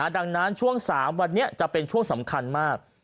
ดังนั้นช่วง๓วันนี้จะเป็นช่วงสำคัญมาก